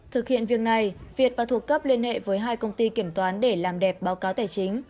thực hiện việc này việt và thuộc cấp liên hệ với hai công ty kiểm toán để làm đẹp báo cáo tài chính